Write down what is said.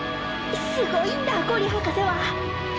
すごいんだ五里博士は！